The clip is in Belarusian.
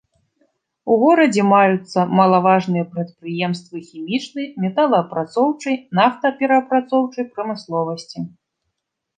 У горадзе маюцца малаважныя прадпрыемствы хімічнай, металаапрацоўчай, нафтаперапрацоўчай прамысловасці.